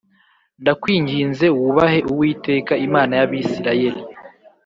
ndakwinginze wubahe Uwiteka Imana y Abisirayeli